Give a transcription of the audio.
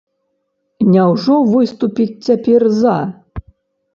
Няўжо выступіць цяпер за?